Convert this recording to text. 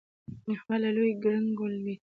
احمد له لوی ګړنګ ولوېد.